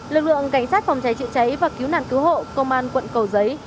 lực lượng cảnh sát phòng cháy chữa cháy và cứu nạn cứu hộ công an quận cầu giấy